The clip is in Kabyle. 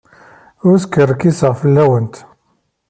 Ur skerkiseɣ fell-awent.